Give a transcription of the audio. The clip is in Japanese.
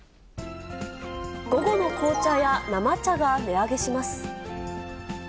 午後の紅茶や生茶が値上げします。